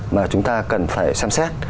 mà chúng ta cần phải xem xét